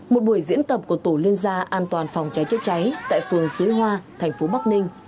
một buổi diễn tập của tổ liên gia an toàn phòng cháy chữa cháy tại phường suối hoa thành phố bắc ninh